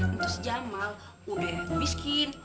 itu si jamal udah miskin